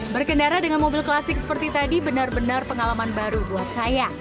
berkendara dengan mobil klasik seperti tadi benar benar pengalaman baru buat saya